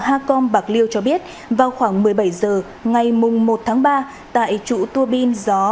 hacom bạc liêu cho biết vào khoảng một mươi bảy h ngày một tháng ba tại trụ tua bin gió